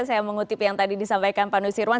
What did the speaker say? saya mengutip yang tadi disampaikan pak nusirwan